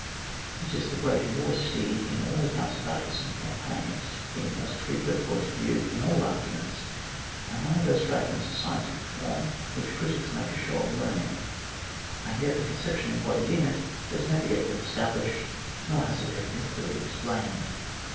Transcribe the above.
It is the "great war steed" in all accounts of battles and campaigns ; the most frequent point of view in all arguments, and one of those fragments of scienti^c form with which critics make a show of learning. And yet the concep tion embodied in it has never yet been established, nor has it ever been clearly explained.